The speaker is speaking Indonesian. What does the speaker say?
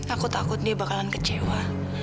aku takut dia bakalan kecewa